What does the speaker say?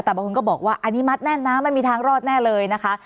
แต่บางคนก็บอกว่าอันนี้มัดแน่นนะไม่มีทางรอดแน่เลยนะคะ